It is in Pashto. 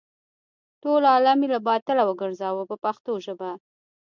ټول عالم یې له باطله وګرځاوه په پښتو ژبه.